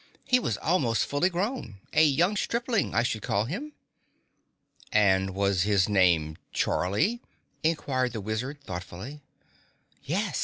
"He was almost fully grown a young stripling, I should call him." "And was his name Charlie?" inquired the Wizard thoughtfully. "Yes!